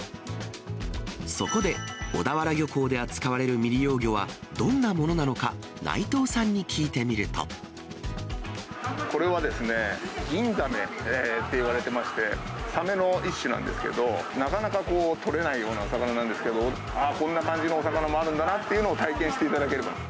そこで、小田原漁港で扱われる未利用魚はどんなものなのか、内藤さんに聞これはですね、ギンザメといわれてまして、サメの一種なんですけど、なかなか取れないようなお魚なんですけど、ああ、こんな感じのお魚もあるんだなというのを体験していただければ。